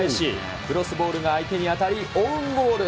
クロスボールが相手に当たりオウンゴール。